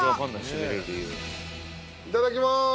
いただきまーす！